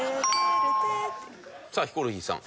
さあヒコロヒーさん。